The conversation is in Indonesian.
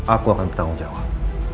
aku akan bertanggung jawab